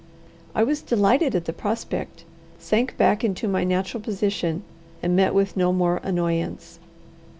I was delighted at the prospect, sank back into my natural position, and met with no more annoyance.